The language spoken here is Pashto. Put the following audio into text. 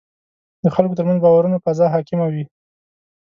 د خلکو ترمنځ باورونو فضا حاکمه وي.